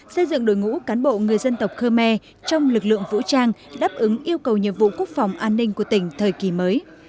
xây dựng đội ngũ cán bộ người dân tộc khơ me trong lực lượng vũ trang đáp ứng yêu cầu nhiệm vụ quốc phòng an ninh của tỉnh thời kỳ mới